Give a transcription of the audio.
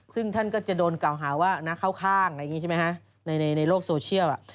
ซึ่งท่านก็จะโดนกล่าวหาว่าเข้าข้างในโลกโซเชียล